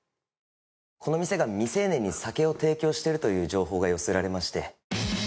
この店が、未成年に酒を提供しているという情報が寄せられまして。